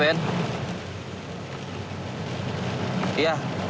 iya langsung dikasih aja